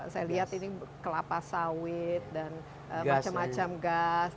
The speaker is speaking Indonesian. saya lihat ini kelapa sawit dan macam macam gas